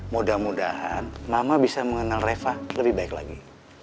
mudah mudahan mama bisa mengenal reva lebih baik lagi